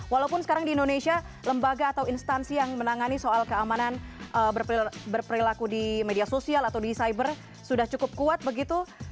walaupun sekarang di indonesia lembaga atau instansi yang menangani soal keamanan berperilaku di media sosial atau di cyber sudah cukup kuat begitu